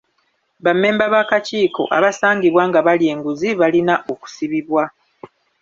Bammemba b'akakiiko abasangibwa nga balya enguzi balina okusibibwa.